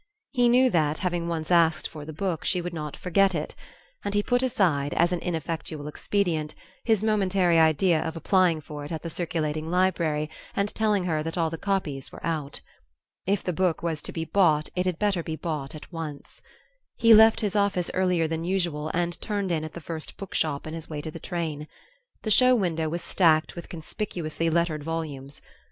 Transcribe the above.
He knew that, having once asked for the book, she would not forget it; and he put aside, as an ineffectual expedient, his momentary idea of applying for it at the circulating library and telling her that all the copies were out. If the book was to be bought it had better be bought at once. He left his office earlier than usual and turned in at the first book shop on his way to the train. The show window was stacked with conspicuously lettered volumes.